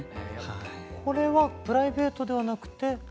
これはプライベートではなくて？